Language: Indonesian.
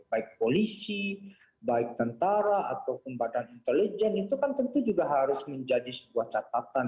baik polisi baik tentara ataupun badan intelijen itu kan tentu juga harus menjadi sebuah catatan